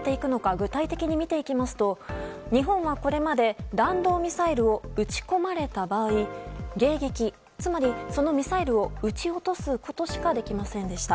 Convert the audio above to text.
具体的に見ていきますと日本はこれまで弾道ミサイルを撃ち込まれた場合迎撃つまりそのミサイルを撃ち落とすことしかできませんでした。